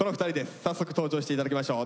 早速登場して頂きましょう。